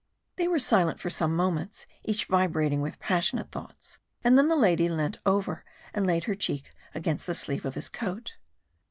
They were silent for some moments, each vibrating with passionate thoughts; and then the lady leant over and laid her cheek against the sleeve of his coat.